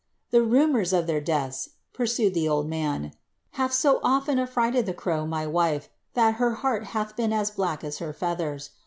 ^ The rumour of their deaths," pursued the old man, ^ hath so often affrighted the crow, mr wife, that her heart hath been as black as her feathers.